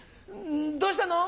どうしたの？